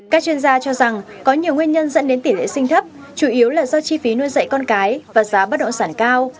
các chuyên gia cho rằng có nhiều nguyên nhân dẫn đến tỷ lệ sinh thấp chủ yếu là do chi phí nuôi dạy con cái và giá bất động sản cao